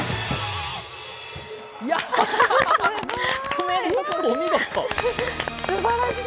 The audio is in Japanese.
お見事！